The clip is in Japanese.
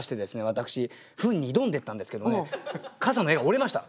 私糞に挑んでったんですけどもね傘の柄が折れました。